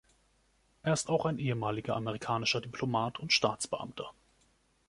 Er ist auch ein ehemaliger amerikanischer Diplomat und Staatsbeamter.